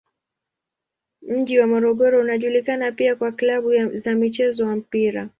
Mji wa Morogoro unajulikana pia kwa klabu za mchezo wa mpira.